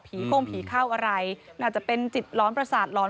โค้งผีเข้าอะไรน่าจะเป็นจิตร้อนประสาทร้อน